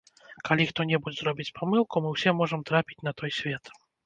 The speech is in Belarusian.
Калі хто-небудзь зробіць памылку, мы ўсе можам трапіць на той свет.